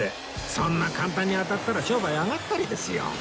そんな簡単に当たったら商売上がったりですよ